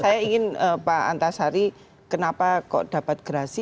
saya ingin pak antasari kenapa kok dapat gerasi